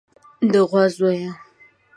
د غوا زويه.